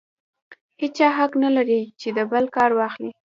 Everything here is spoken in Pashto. هېچا حق نه لري د بل کار واخلي.